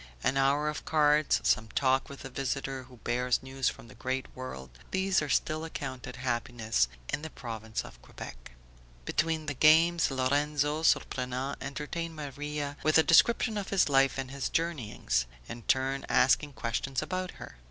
An hour of cards, some talk with a visitor who bears news from the great world, these are still accounted happiness in the Province of Quebec. Between the games, Lorenzo Surprenant entertained Maria with a description of his life and his journeyings; in turn asking questions about her.